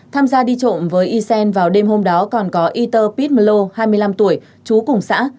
tham gia đi trộm với ysen vào đêm hôm đó còn có yter pitmlo hai mươi năm tuổi chú cùng xã